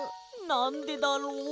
なんでだろう？